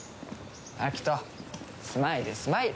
アキトスマイルスマイル！